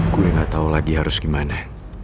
gue gak tau lagi harus gimana